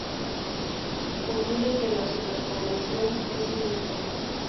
Concluye que la superpoblación es un mito.